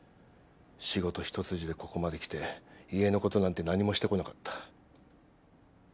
仕事一筋でここまできて家のことなんて何もしてこなかった。